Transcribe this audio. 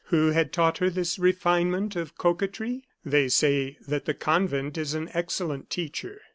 Who had taught her this refinement of coquetry? They say that the convent is an excellent teacher.